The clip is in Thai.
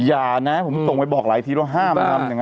อย่านะผมส่งไปบอกห้าม